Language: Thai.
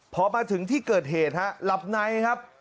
พอมาถึงที่เกิดเหตุฮะหลับในครับ